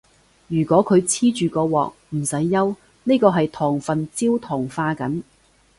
如果佢黐住個鑊，唔使憂，呢個係糖分焦糖化緊